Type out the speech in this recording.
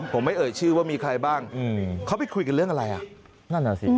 ผมไม่เอ่ยชื่อว่ามีใครบ้างเข้าไปคุยกันเรื่องอะไร